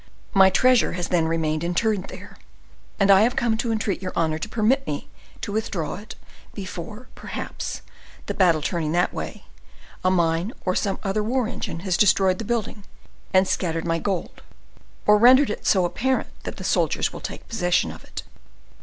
My treasure has then remained interred there, and I have come to entreat your honor to permit me to withdraw it before, perhaps, the battle turning that way, a mine or some other war engine has destroyed the building and scattered my gold, or rendered it so apparent that the soldiers will take possession of it."